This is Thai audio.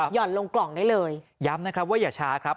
ห่อนลงกล่องได้เลยย้ำนะครับว่าอย่าช้าครับ